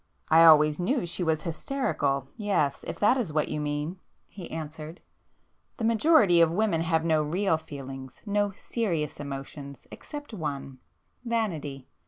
"I always knew she was hysterical—yes—if that is what you mean;"—he answered—"The majority of women have no real feelings, no serious emotions—except one—vanity.